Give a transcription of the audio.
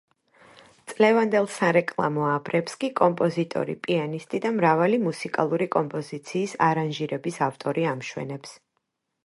წლევანდელ სარეკლამო აბრებს კი კომპოზიტორი, პიანისტი და მრავალი მუსიკალური კომპოზიციის არანჟირების ავტორი ამშვენებს.